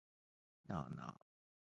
なあなあ